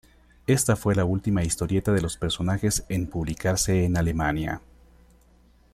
Esta fue la última historieta de los personajes en publicarse en Alemania.